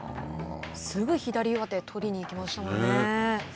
すぐ左上手を取りに行きましたものね。